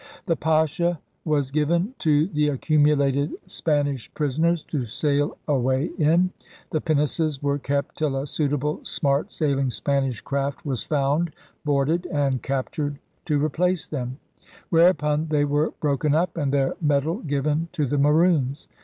The Pascha was given to the accumulated Span ish prisoners to sail away in. The pinnaces were kept till a suitable, smart saiHng Spanish craft was found, boarded, and captured to replace them; whereupon they were broken up and their metal given to the Maroons.